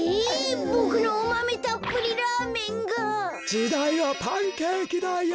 じだいはパンケーキだよ。